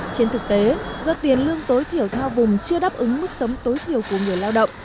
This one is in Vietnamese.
trên thực tế do tiền lương tối thiểu theo vùng chưa đáp ứng mức sống tối thiểu của người lao động